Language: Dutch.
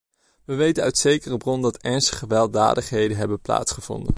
We weten uit zekere bron dat ernstige gewelddadigheden hebben plaatsgevonden.